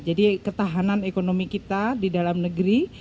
jadi ketahanan ekonomi kita di dalam negeri